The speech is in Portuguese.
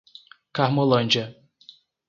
Carmolândia